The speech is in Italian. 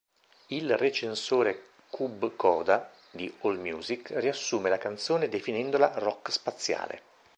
Il recensore Cub Koda, di allmusic, riassume la canzone definendola "rock spaziale".